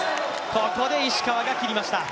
ここで石川が切りました。